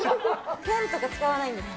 ペンとか使わないんです。